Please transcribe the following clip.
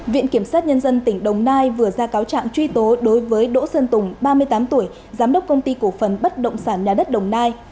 viện kiểm sát nhân dân tỉnh đồng nai vừa ra cáo trạng truy tố đối với đỗ sơn tùng ba mươi tám tuổi giám đốc công ty cổ phần bất động sản nhà đất đồng nai